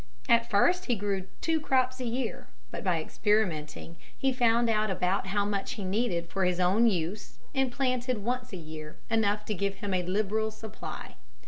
At first he grew two crops a year, but by experimenting he found out about how much he needed for his own use and planted once a year enough to give him a liberal supply.